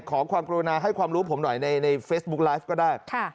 ขอความกรุณาให้ความรู้ผมหน่อยในเฟซบุ๊กไลฟ์ก็ได้